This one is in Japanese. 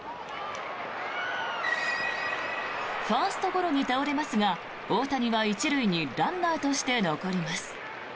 ファーストゴロに倒れますが大谷は１塁にランナーとして残ります。